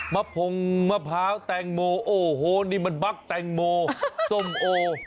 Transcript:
พงมะพร้าวแตงโมโอ้โหนี่มันบั๊กแตงโมส้มโอ